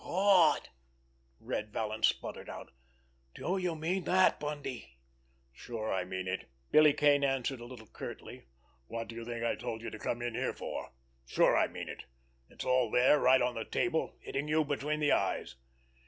"Gawd!" Red Vallon spluttered out. "D'ye mean that, Bundy?" "Sure, I mean it!" Billy Kane answered a little curtly. "What do you think I told you to come here for? Sure, I mean it! It's all there—right on the table, hitting you between the eyes."